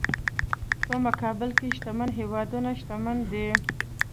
په مقابل کې شتمن هېوادونه شتمن دي.